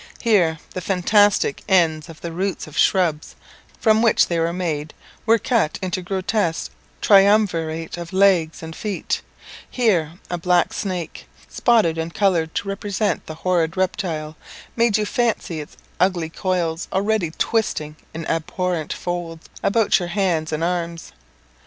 Here, the fantastic ends of the roots of shrubs from which they were made were cut into a grotesque triumvirate of legs and feet; here a black snake, spotted and coloured to represent the horrid reptile, made you fancy its ugly coils already twisting in abhorrent folds about your hands and arms.